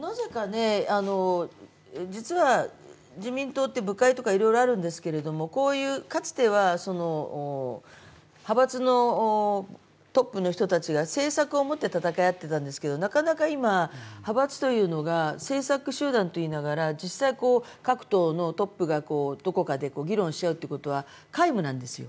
なぜか、実は自民党って部会とかいろいろあるんですけど、かつては派閥のトップの人たちが政策を持って戦い合ってたんですけど、なかなか今、派閥というのが政策集団といいながら実際、各党のトップがどこかで議論し合うっていうことは皆無なんですよ。